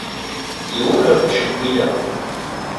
Yiwen ur t-ttcewwileɣ.